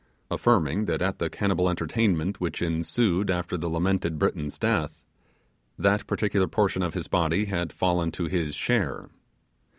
affirming that at the cannibal entertainment which ensued after the lamented Briton's death, that particular portion of his body had fallen to his share.